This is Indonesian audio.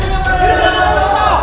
hidup dari diri kita